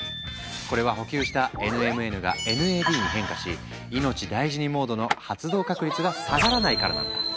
これは補給したＮＭＮがＮＡＤに変化し「いのちだいじにモード」の発動確率が下がらないからなんだ。